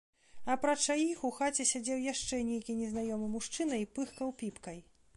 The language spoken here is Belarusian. Апрача іх у хаце сядзеў яшчэ нейкі незнаёмы мужчына і пыхкаў піпкай.